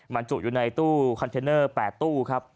บรรจุอยู่ในตู้คอนเทนเนอร์๘ตู้ครับ